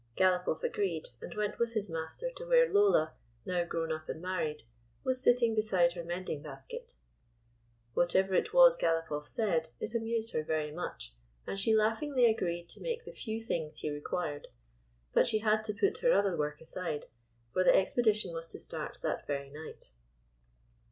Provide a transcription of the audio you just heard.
Galopoff agreed, and went with his master to where Lola — now grown up and married — was sitting beside her mending basket. Whatever it was Galopoff said, it amused her very much, and she laughingly agreed to make the few things he required. But she had to put her other work aside ; for the expedition was to start that very night.